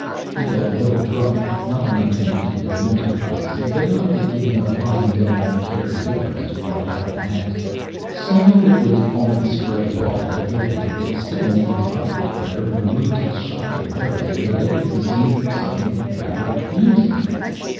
He felt a little drunk, not enough to impede his mental processes but enough to give him a fine devil may care indifference to what happened next. So it was only the spray Paula had given him it still made his body feel better and removed his shock and worry and made everything seem suddenly rather amusing.